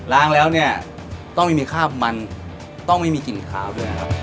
ล้างแล้วเนี่ยต้องไม่มีคราบมันต้องไม่มีกลิ่นขาวด้วยนะครับ